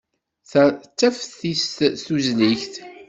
Ta d taftist tusligt.